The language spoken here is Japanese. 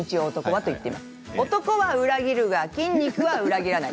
男は裏切るが筋肉は裏切らない。